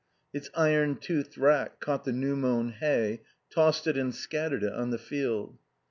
Its iron toothed rack caught the new mown hay, tossed it and scattered it on the field.